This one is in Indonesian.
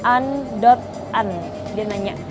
an an dia nanya